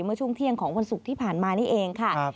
เมื่อช่วงเที่ยงของวันศุกร์ที่ผ่านมานี่เองค่ะ